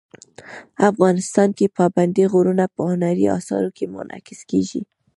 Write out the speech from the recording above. افغانستان کې پابندي غرونه په هنري اثارو کې منعکس کېږي.